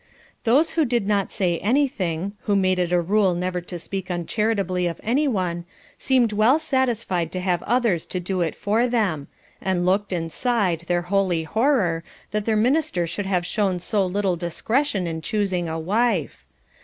Those who did not say anything, who made it a rule never to speak uncharitably of anyone, seemed well satisfied to have others to do it for them, and looked and sighed their holy horror that their minister should have shown so little discretion in choosing a wife.